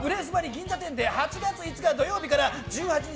銀座店で８月５日土曜日から１８日